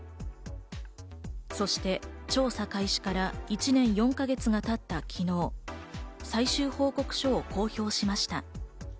そして調査開始から１年４か月がたった昨日、最終報告書を公表しました。